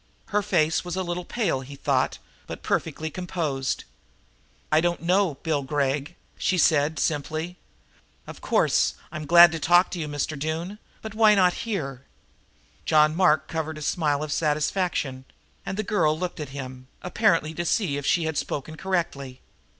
Her face was a little pale, he thought, but perfectly composed. "I don't know Bill Gregg," she said simply. "Of course, I'm glad to talk to you, Mr. Doone, but why not here?" John Mark covered a smile of satisfaction, and the girl looked at him, apparently to see if she had spoken correctly.